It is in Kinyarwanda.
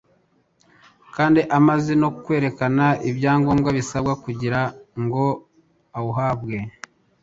kandi amaze no kwerekana ibyangombwa bisabwa kugira ngo uwuhabwe,